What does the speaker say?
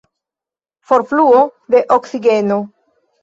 Forfluo de oksigeno.